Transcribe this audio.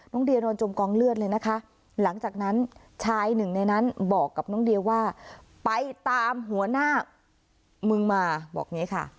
เดียนอนจมกองเลือดเลยนะคะหลังจากนั้นชายหนึ่งในนั้นบอกกับน้องเดียว่าไปตามหัวหน้ามึงมาบอกอย่างนี้ค่ะ